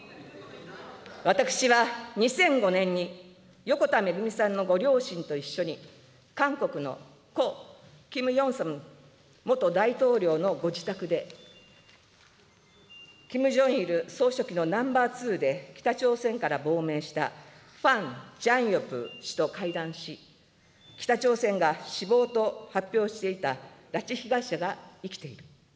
私は２００５年に横田めぐみさんのご両親と一緒に、韓国の故・キム・ヨンサム元大統領のご自宅で、キム・ジョイル総書記のナンバーツーで、北朝鮮から亡命したファン・ジャンヨプ氏と会談し、北朝鮮が死亡と発表していた拉致被害者が生きている。